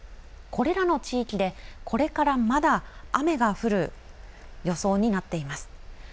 これらの地域でこれからまだ雨が降る予想になっています。